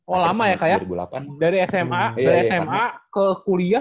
oh lama ya kak ya dari sma ke kuliah